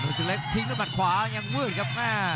สุดเล็กทิ้งด้วยมัดขวายังมืดครับ